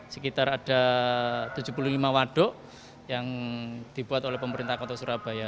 sekitar ada tujuh puluh lima waduk yang dibuat oleh pemerintah kota surabaya